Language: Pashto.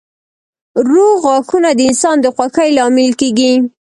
روغ غاښونه د انسان د خوښۍ لامل کېږي.